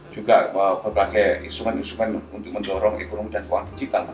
juga berbagai instrumen instrumen untuk mendorong ekonomi dan keuangan digital